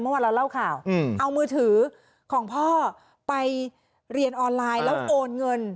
เมื่อวานเราเล่าข่าวเอามือถือของพ่อไปเรียนออนไลน์แล้วโอนเงิน